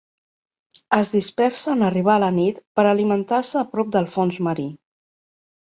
Es dispersa en arribar la nit per alimentar-se a prop del fons marí.